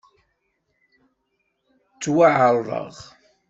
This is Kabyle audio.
Ttwaεerḍeɣ?